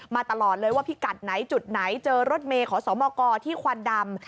ตลอดเลยว่าพิกัดไหนจุดไหนเจอรถเมย์ขอสมกที่ควันดำ